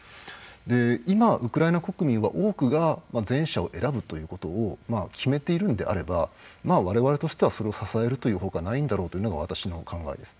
で今ウクライナ国民は多くが前者を選ぶということを決めているのであれば我々としてはそれを支えるというほかはないんだろうというのが私の考えです。